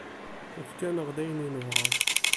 Efk-aneɣ-d ayen i nebɣa.